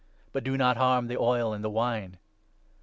But do not harm the oil and the wine.'